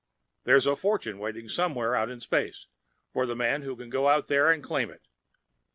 There's a fortune waiting somewhere out in space for the man who can go out there and claim it.